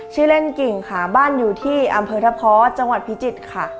ชื่อเล่นกิ่งค่ะบ้านอยู่ที่อำเภอทะเพาะจังหวัดพิจิตรค่ะ